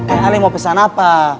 eh ale mau pesan apa